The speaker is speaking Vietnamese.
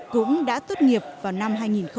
cũng đã tốt nghiệp vào năm hai nghìn một mươi bảy